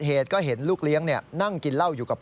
แล้วก็ลุกลามไปยังตัวผู้ตายจนถูกไฟคลอกนะครับ